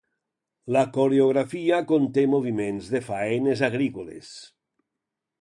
La coreografia conté moviments de faenes agrícoles